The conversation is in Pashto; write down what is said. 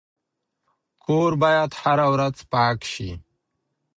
کور باید هره ورځ پاک شي.